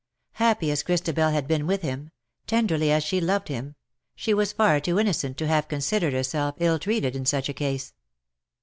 Happy as Christabel had been with him — tenderly as she loved him— she was far too innocent to have considered herself ill treated in such a case.